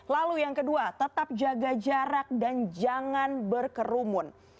lalu yang kedua tetap jaga jarak dan jangan berkerumun